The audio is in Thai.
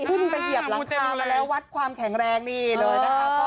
ไปเหยียบหลังคามาแล้ววัดความแข็งแรงนี่เลยนะคะ